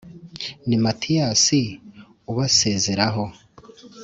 ni matiyasi ubasezeraho